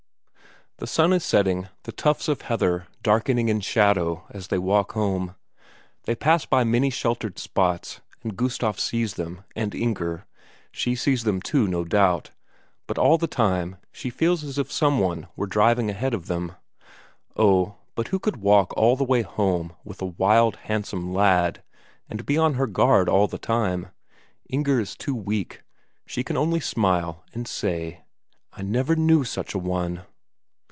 The sun is setting, the tufts of heather darkening in shadow as they walk home. They pass by many sheltered spots, and Gustaf sees them, and Inger, she sees them too no doubt, but all the time she feels as if some one were driving ahead of them. Oh, but who could walk all the way home with a wild handsome lad, and be on her guard all the time? Inger is too weak, she can only smile and say: "I never knew such a one."